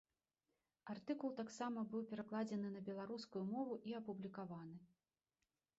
Артыкул таксама быў перакладзены на беларускую мову і апублікаваны.